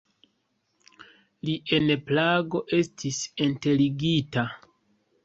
Li en Prago estis enterigita.